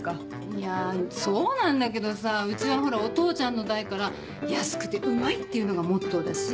いやそうなんだけどさうちはほらお父ちゃんの代から安くてうまいっていうのがモットーだし。